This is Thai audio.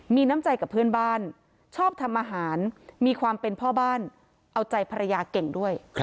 มีน้ำใจกับเพื่อนบ้านชอบทำอาหารมีความเป็นพ่อบ้านเอาใจภรรยาเก่งด้วย